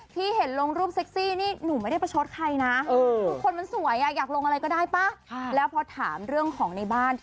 เพราะฉะนั้นเราเป็นเพื่อนกัน